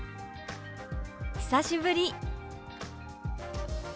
「久しぶり」。